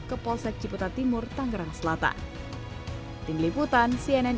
ke polsek ciputa timur tangerang selatan